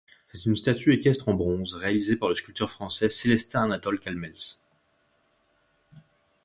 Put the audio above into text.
C'est une statue équestre en bronze réalisée par le sculpteur français Célestin-Anatole Calmels.